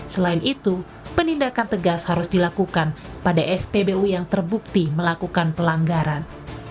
selain itu penindakan tegas harus dilakukan pada spbu yang terbukti melakukan pelanggaran